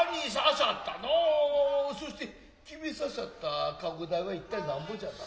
そうして決めさしゃった駕篭代は一体何んぼじゃな。